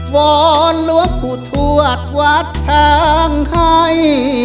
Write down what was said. กราบหลวงปุโตทวัดวัดแทงให้